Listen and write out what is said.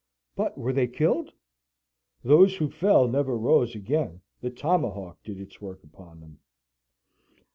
but were they killed? Those who fell never rose again. The tomahawk did its work upon them.